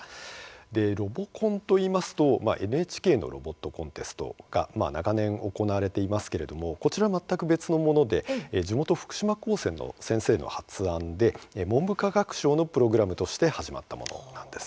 でロボコンといいますとＮＨＫのロボットコンテストが長年行われていますけれどもこちら全く別のもので地元福島高専の先生の発案で文部科学省のプログラムとして始まったものなんです。